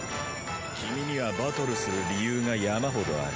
君にはバトルする理由が山ほどある。